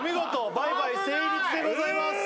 倍買成立でございます